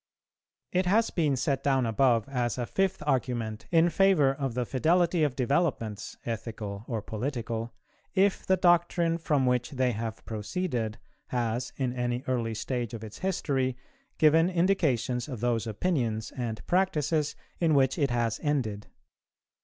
It has been set down above as a fifth argument in favour of the fidelity of developments, ethical or political, if the doctrine from which they have proceeded has, in any early stage of its history, given indications of those opinions and practices in which it has ended.